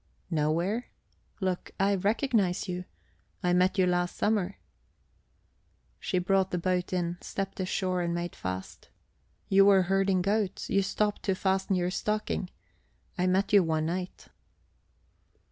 "Nowhere? Look, I recognize you: I met you last summer." She brought the boat in, stepped ashore, made fast. "You were herding goats. You stopped to fasten your stocking. I met you one night."